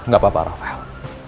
gak apa apa rafael